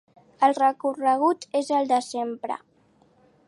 El recorregut és el de sempre.